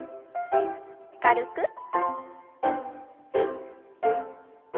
軽く。